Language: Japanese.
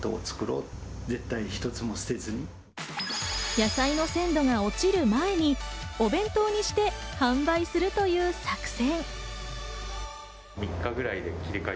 野菜の鮮度が落ちる前にお弁当にして販売するという作戦。